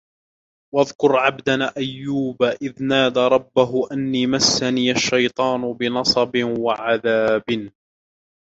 واذكر عبدنا أيوب إذ نادى ربه أني مسني الشيطان بنصب وعذاب